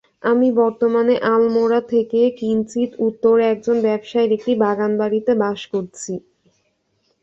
আমি বর্তমানে আলমোড়া থেকে কিঞ্চিৎ উত্তরে একজন ব্যবসায়ীর একটি বাগান- বাড়ীতে বাস করছি।